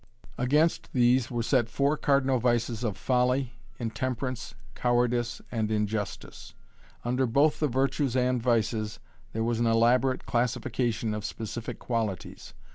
Against these were set four cardinal vices of Folly, Intemperance, Cowardice, and Injustice. Under both the virtues and vices there was an elaborate classification of specific qualities.